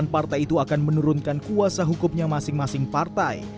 delapan partai itu akan menurunkan kuasa hukumnya masing masing partai